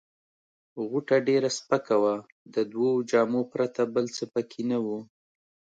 غوټه ډېره سپکه وه، د دوو جامو پرته بل څه پکښې نه وه.